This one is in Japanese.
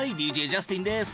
ＤＪジャスティンです。